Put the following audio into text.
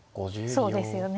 そうですよね。